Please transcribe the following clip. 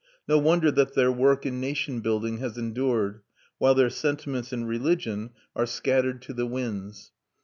No wonder that their work in nation building has endured, while their sentiments in religion are scattered to the winds.